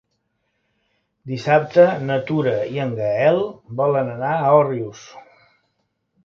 Dissabte na Tura i en Gaël volen anar a Òrrius.